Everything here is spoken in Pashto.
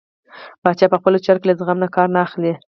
پاچا په خپلو چارو کې له زغم نه کار نه اخلي .